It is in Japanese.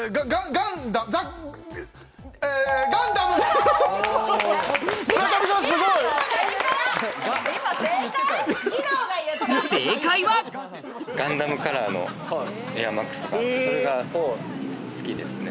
ガンダムカラーのエアマックスがあって、それが好きですね。